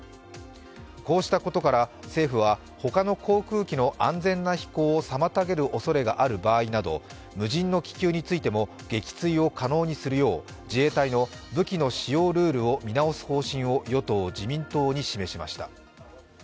こうしたことから政府は他の航空機の安全な飛行を妨げるおそれがある場合など無人の気球についても撃墜を可能にするよう自衛隊の武器の使用ルールを見直す方針を与党・自民党に示しました。